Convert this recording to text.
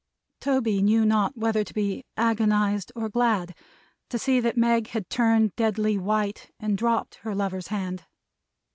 Toby knew not whether to be agonized or glad, to see that Meg had turned deadly white, and dropped her lover's hand.